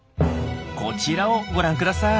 こちらをご覧ください。